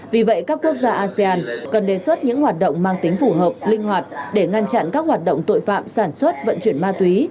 vì vậy các quốc gia asean cần đề xuất những hoạt động mang tính phù hợp linh hoạt để ngăn chặn các hoạt động tội phạm sản xuất vận chuyển ma túy